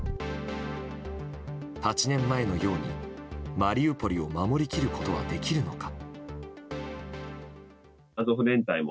８年前のようにマリウポリを守り切ることはできるのか。